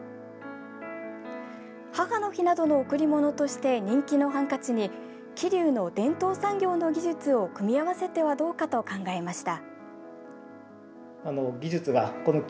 母の日などの贈り物として人気のハンカチに桐生の伝統産業の技術を組み合わせてはどうかと考えました。